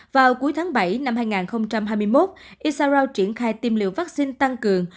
vào cuối tháng bảy năm hai nghìn hai mươi một isarao triển khai tiêm liều vaccine tăng cường